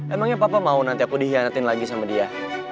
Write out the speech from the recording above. emangnya papa mau nanti aku dikhianatin lagi sama dia